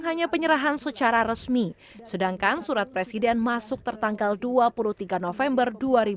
hanya penyerahan secara resmi sedangkan surat presiden masuk tertanggal dua puluh tiga november dua ribu dua puluh